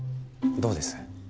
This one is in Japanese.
どうです？